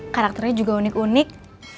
karakternya juga unik unik